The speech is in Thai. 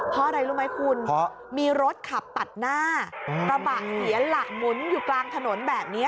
เพราะอะไรรู้ไหมคุณมีรถขับตัดหน้ากระบะเสียหลักหมุนอยู่กลางถนนแบบนี้